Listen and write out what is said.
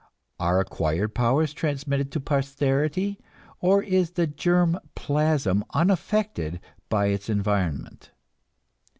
Are acquired powers transmitted to posterity, or is the germ plasm unaffected by its environment?